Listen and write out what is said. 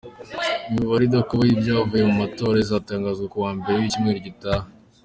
Imibare idakuka y’ibyavuye mu matora izatangazwa ku wa Mbere w’icyumweru gitaha.